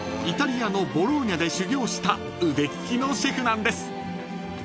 イタリアのボローニャで修業した腕利きのシェフなんです］